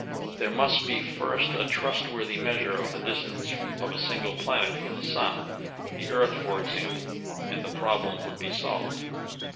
There must be first a trustworthy meas ure of the distance of a single planet from the Sun, the Earth, for example, and the problem would be solved.